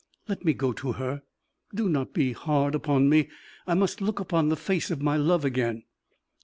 Let me go to her do not be hard upon me I must look upon the face of my love again."